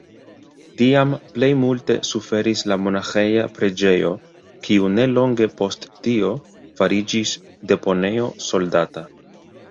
Tiam plejmulte suferis la monaĥeja preĝejo, kiu nelonge post tio fariĝis deponejo soldata.